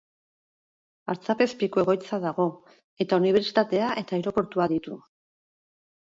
Artzapezpiku egoitza dago, eta unibertsitatea eta aireportua ditu.